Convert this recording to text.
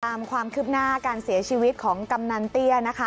ความคืบหน้าการเสียชีวิตของกำนันเตี้ยนะคะ